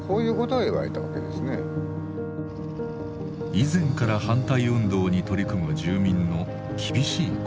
以前から反対運動に取り組む住民の厳しい言葉。